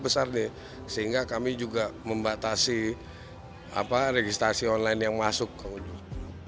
sehingga kami juga membatasi registrasi online yang masuk ke wujud